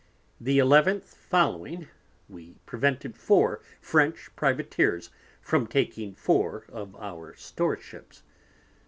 The Eleventh following we prevented four French Privateers from taking four of our Store Ships.